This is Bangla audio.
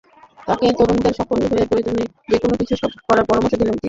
তাতে তরুণদের সফল হতে প্রয়োজনে যেকোনো কিছু করার পরামর্শ দিয়েছেন তিনি।